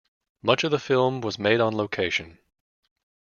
Much of the film was made on location.